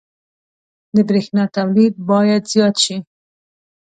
• د برېښنا تولید باید زیات شي.